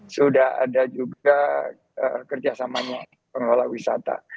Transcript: sudah ada juga kerjasamanya pengelola wisata